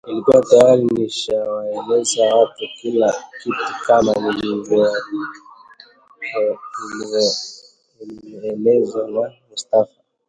Nilikuwa tayari nimeshawaeleza watu kila kitu kama nilivyoelezwa na Mustafa